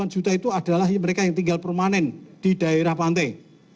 delapan juta itu adalah mereka yang tinggal permanen di daerah pantai